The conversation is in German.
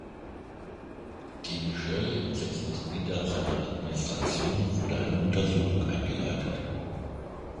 Gegen Shirley und sechs Mitglieder seiner Administration wurde eine Untersuchung eingeleitet.